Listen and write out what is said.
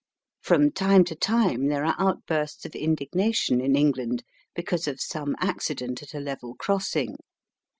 From time to time there are outbursts of indignation in England because of some acci dent at a level crossing.